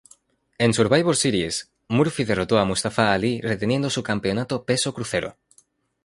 En Survivor Series, Murphy derrotó a Mustafá Alí reteniendo su Campeonato Peso Crucero.